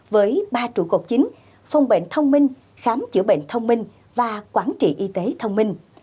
với ba trụ cột chính phòng bệnh thông minh khám chữa bệnh thông minh và quản trị y tế thông minh